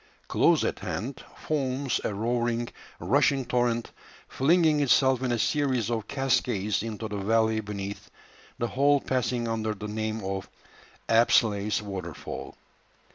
Close at hand foams a roaring, rushing torrent, flinging itself in a series of cascades into the valley beneath, the whole passing under the name of "Apsley's Waterfall."